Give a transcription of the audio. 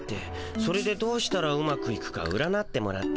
それでどうしたらうまくいくか占ってもらったんだ。